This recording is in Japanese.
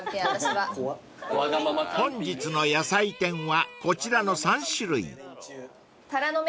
［本日の野菜天はこちらの３種類］たらの芽？